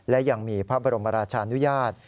และยังมีพระบรมราชานุญาต